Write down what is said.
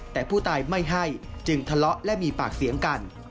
แต่ผู้ตายไม่ให้จึงทะเลาะและมีปากเสียงกัน